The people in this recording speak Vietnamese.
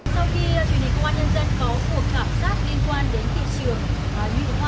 sau khi truyền hình công an nhân dân có cuộc khảo sát liên quan đến thị trường nhị hoa nghệ tây hay gọi là saffron